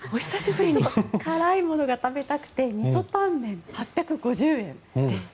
ちょっと辛いものが食べたくてみそタンメン、８５０円でした。